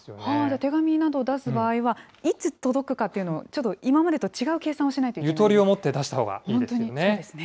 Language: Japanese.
手紙など出す場合は、いつ届くかというのは、ちょっと今までと違う計算をしないといけないでゆとりをもって出したほうがいいですね。